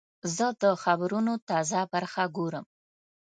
زه د خبرونو تازه برخه ګورم.